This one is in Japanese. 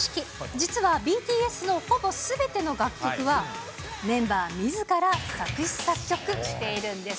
実はＢＴＳのほぼすべての楽曲は、メンバーみずから作詞作曲しているんです。